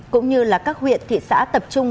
cũng như các huyện thị xã tập trung